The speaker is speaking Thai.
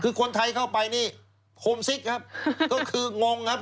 คือคนไทยเข้าไปนี่โฮมซิกครับก็คืองงครับ